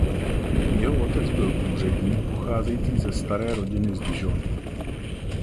Jeho otec byl úředník pocházející ze staré rodiny z Dijonu.